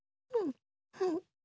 うん。